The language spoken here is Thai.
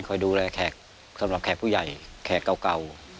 คอยดูแลแขกสำหรับแขกผู้ใหญ่แขกเก่า